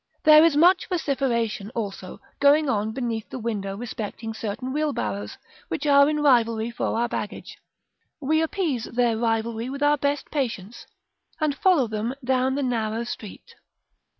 There is much vociferation also going on beneath the window respecting certain wheelbarrows which are in rivalry for our baggage: we appease their rivalry with our best patience, and follow them down the narrow street.